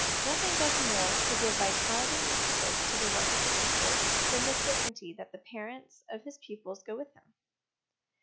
Nothing does more to give vitality and purpose to the work of the teacher than the certainty that the parents of his pupils go with him.